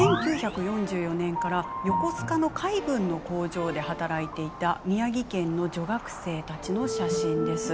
１９４４年から横須賀の海軍の工場で働いていた宮城県の女学生たちの写真です。